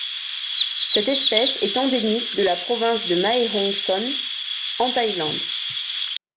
Cette espèce est endémique de la province de Mae Hong Son en Thaïlande.